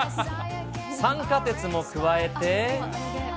酸化鉄も加えて。